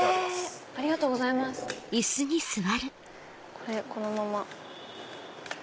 これこのまま。